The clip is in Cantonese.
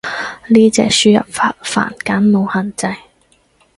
呢隻輸入法繁簡冇限制